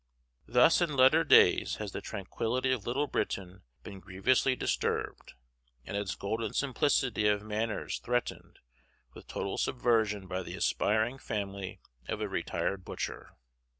Thus in letter days has the tranquillity of Little Britain been grievously disturbed and its golden simplicity of manners threatened with total subversion by the aspiring family of a retired butcher.